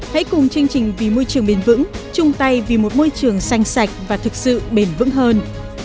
hãy cùng chương trình vì môi trường bền vững chung tay vì một môi trường xanh sạch và thực sự bền vững hơn